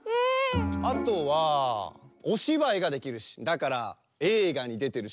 あとはおしばいができるしだからえいがにでてるし。